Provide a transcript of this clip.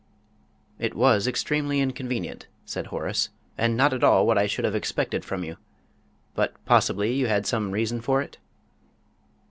"It was extremely inconvenient," said Horace, "and not at all what I should have expected from you. But possibly you had some reason for it?"